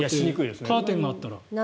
カーテンがあったら。